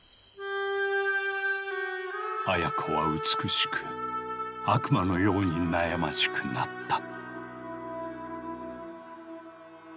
アヤ子は美しく悪魔のように悩ましくなった。